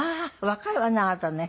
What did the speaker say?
若いわねあなたね。